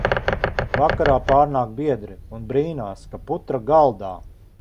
Vakarā pārnāk biedri un brīnās, ka putra galdā.